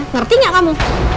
ngerti gak kamu